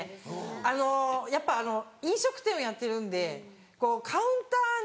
あのやっぱあの飲食店をやってるんでカウンターに。